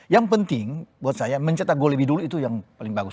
yang penting buat saya mencetak gol lebih dulu itu yang paling bagus